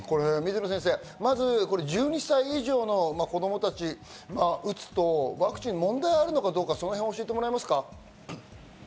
水野先生、１２歳以上の子供たちに打つと、ワクチン問題があるのかどうか教えてもらえますか？